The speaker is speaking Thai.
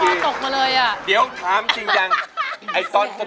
เพลงนี้อยู่ในอาราบัมชุดแรกของคุณแจ็คเลยนะครับ